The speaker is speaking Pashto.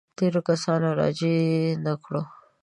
تېرو کسانو راجع نه کړو.